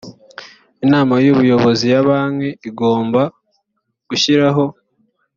inama y ubuyobozi ya banki igomba gushyiraho